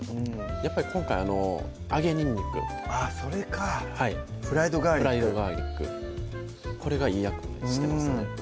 やっぱり今回揚げにんにくあっそれかフライドガーリックフライドガーリックこれがいい役目をしてますね